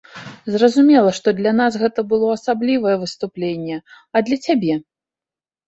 Зразумела, што для нас гэта было асаблівае выступленне, а для цябе?